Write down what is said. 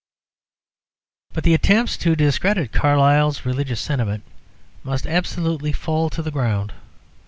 But the attempts to discredit Carlyle's religious sentiment must absolutely fall to the ground.